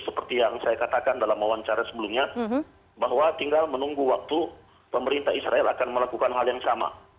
seperti yang saya katakan dalam wawancara sebelumnya bahwa tinggal menunggu waktu pemerintah israel akan melakukan hal yang sama